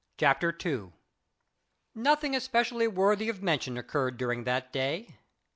CHAPTER II Nothing especially worthy of mention occurred during that day.